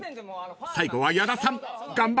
［最後は矢田さん頑張って］